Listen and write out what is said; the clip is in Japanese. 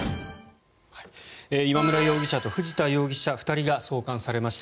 今村容疑者と藤田容疑者２人が送還されました。